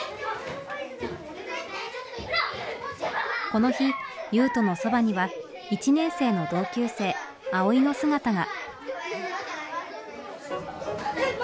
この日雄羽斗のそばには１年生の同級生蒼海の姿が。